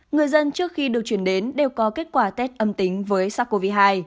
người dân trước khi được chuyển đến đều có kết quả tết âm tính với sars cov hai